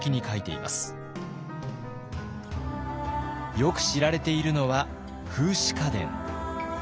よく知られているのは「風姿花伝」。